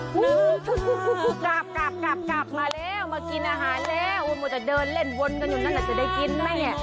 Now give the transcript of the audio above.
กลับกลับกลับกลับมาแล้วมากินอาหารแล้วว่าจะเดินเล่นวนกันอยู่นั่นจะได้กินไหมเนี่ย